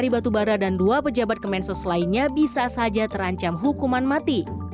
batubara dan dua pejabat kemensos lainnya bisa saja terancam hukuman mati